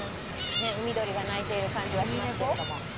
海鳥が鳴いている感じはしますけれども。